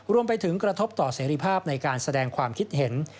กระทบต่อเสรีภาพในการแสดงความคิดเห็น